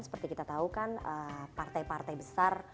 seperti kita tahu kan partai partai besar